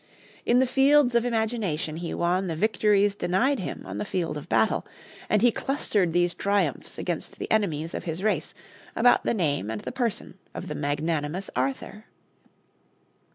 In the fields of imagination he won the victories denied him on the field of battle, and he clustered these triumphs against the enemies of his race about the name and the person of the magnanimous Arthur.